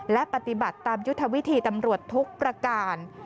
และปฏิบัติตามยุทธวิธีตำรวจทุกประการ